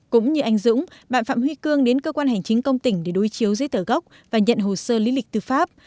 cũng như anh dũng bạn phạm huy cương đến cơ quan hành chính công tỉnh để đối chiếu giấy tờ gốc và nhận hồ sơ lý lịch tư pháp